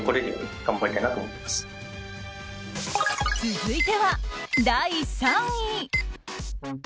続いては、第３位。